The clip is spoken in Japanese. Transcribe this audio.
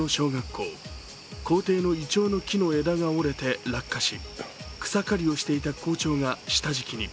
校庭のいちょうの木が折れて落下し草刈りをしていた校長が下敷きに。